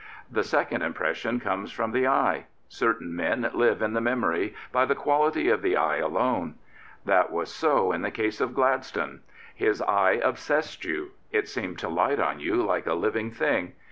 The second impression comes from the eye. Certain men live in the memory by the quality of the eye alone. That was so in the case of Gladstone. His eye obsessed you. It seemed to light on you like a living thing.